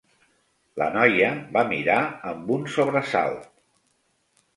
La noia va mirar amb un sobresalt.